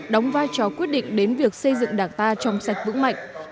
đóng vai trò quyết định đến việc xây dựng đảng ta trong sạch vững mạnh